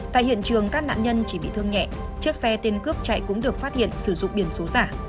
tại hiện trường các nạn nhân chỉ bị thương nhẹ chiếc xe tiên cướp chạy cũng được phát hiện sử dụng biển số giả